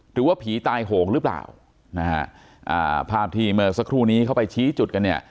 หรือว่าผีตายโหงหรือเปล่านะฮะอ่าภาพที่เมื่อสักครู่นี้เข้าไปชี้จุดกันเนี่ย